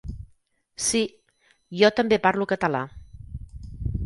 Sí. Jo també parlo català.